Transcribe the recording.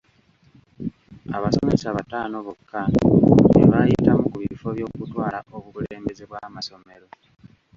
Abasomesa bataano bokka be baayitamu ku bifo by'okutwala obukulembeze bw'amasomero.